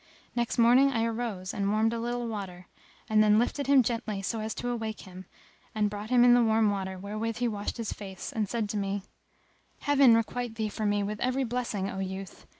Next morning I arose and warmed a little water, then lifted him gently so as to awake him and brought him the warm water wherewith he washed his face[FN#269] and said to me, "Heaven requite thee for me with every blessing, O youth!